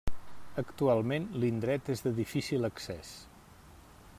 Actualment l'indret és de difícil accés.